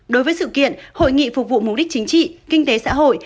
đối với sự kiện hội nghị phục vụ mục đích chính trị kinh tế xã hội